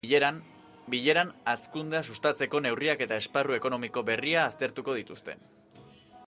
Bileran, hazkundea sustatzeko neurriak eta esparru ekonomiko berria aztertuko dituzte.